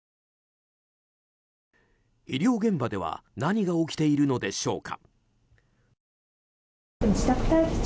医療現場では何が起きているのでしょうか。